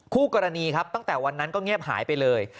คู่กรณีครับตั้งแต่วันนั้นก็เงียบหายไปเลย